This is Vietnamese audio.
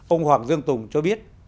ông hoàng dương tùng cho biết